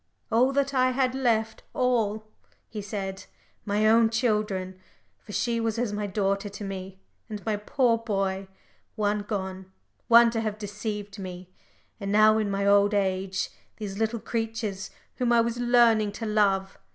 "All that I had left all," he said. "My own children, for she was as my daughter to me, and my poor boy one gone, one to have deceived me. And now, in my old age, these little creatures whom I was learning to love!